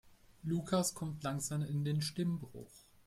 Lukas kommt langsam in den Stimmbruch.